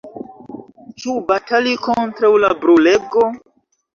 Ĉu batali kontraŭ la brulego?